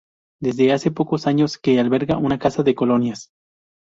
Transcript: Desde hace pocos años que alberga una casa de colonias.